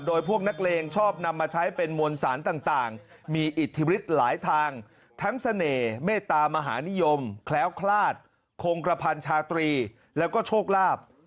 โดยพวกนักเลงชอบนำมาใช้เป็นมวลสารต่างมีอิทธิฤทธิ์หลายทางทั้งเสน่ห์เมตตามหานิยมแคล้วคลาดคงกระพันชาตรีแล้วก็โชคลาภ